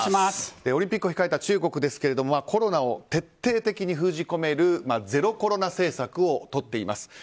オリンピックを控えた中国ですがコロナを徹底的に封じ込めるゼロコロナ政策をとっています。